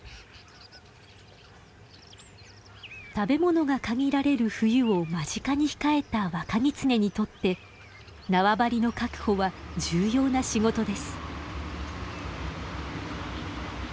食べ物が限られる冬を間近に控えた若ギツネにとって縄張りの確保は重要な仕事です。